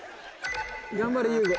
頑張れ優吾！